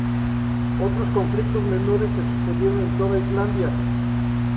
Otros conflictos menores se sucedieron en toda Islandia.